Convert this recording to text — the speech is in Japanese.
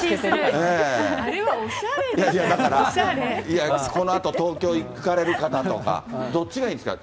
あれはおしゃれですよ、だから、いやだから、このあと東京、行かれる方とか、どっちがいいんですか。